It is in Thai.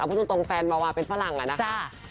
พูดตรงแฟนวาวาเป็นฝรั่งอะนะคะ